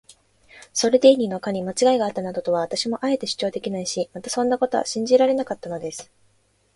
ソルディーニの課にまちがいがあったなどとは、私もあえて主張できないし、またそんなことは信じられなかったのです。